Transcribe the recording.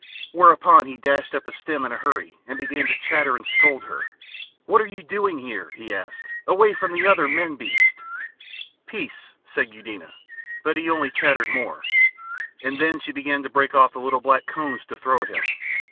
Whereupon he dashed up a stem in a hurry and began to chatter and scold her. "What are you doing here," he asked, "away from the other men beasts?" "Peace," said Eudena, but he only chattered more, and then she began to break off the little black cones to throw at him.